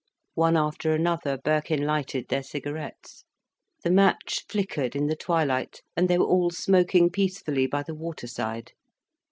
One after another, Birkin lighted their cigarettes. The match flickered in the twilight, and they were all smoking peacefully by the water side.